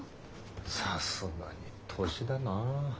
さすがに年だな。